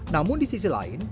namun di sisi lain